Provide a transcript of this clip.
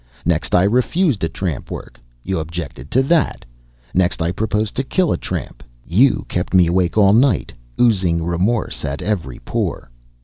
Next, I refused a tramp work; you objected to that. Next, I proposed to kill a tramp; you kept me awake all night, oozing remorse at every pore.